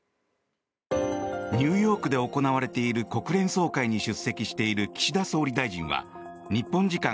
ニューヨークで行われている国連総会に出席している岸田総理大臣は日本時間